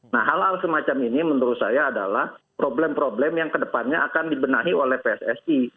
nah hal hal semacam ini menurut saya adalah problem problem yang kedepannya akan dibenahi oleh pssi